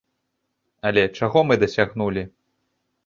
Але чаго мы дасягнулі?